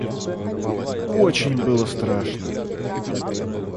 Очень было страшно.